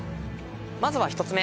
まずは１つ目。